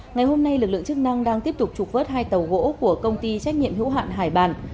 ngày hôm nay lực lượng chức năng đang tiếp tục trục vớt hai tàu gỗ của công ty trách nhiệm hữu hạn hải bàn